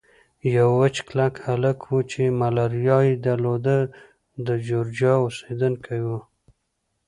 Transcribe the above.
یو وچ کلک هلک وو چې ملاریا یې درلوده، د جورجیا اوسېدونکی و.